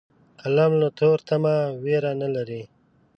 قلم له تورتمه ویره نه لري